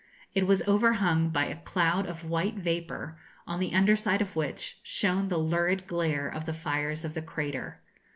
It was overhung by a cloud of white vapour, on the under side of which shone the lurid glare of the fires of the crater.